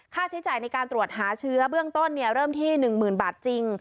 ค่าใช้จ่ายในการตรวจหาเชื้อเบื้องต้นเริ่มที่๑๐๐๐บาทจริง